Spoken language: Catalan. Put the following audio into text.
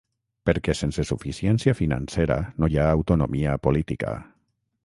Perquè sense suficiència financera no hi ha autonomia política.